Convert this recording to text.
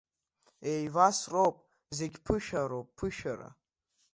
Еивасроуп, зегь ԥышәароуп, ԥышәара…